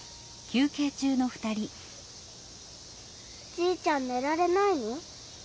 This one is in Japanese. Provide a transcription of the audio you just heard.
じいちゃんねられないの？